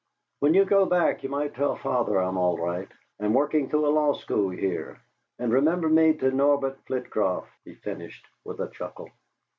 "When you go back you might tell father I'm all right. I'm working through a law school here and remember me to Norbert Flitcroft," he finished, with a chuckle.